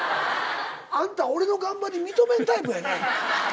あんた俺の頑張り認めんタイプやね。